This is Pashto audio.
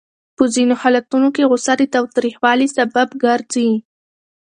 په ځینو حالتونو کې غوسه د تاوتریخوالي سبب ګرځي.